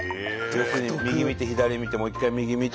右見て左見てもう一回右見て。